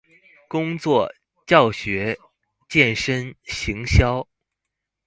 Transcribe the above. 工作、教學、健身、行銷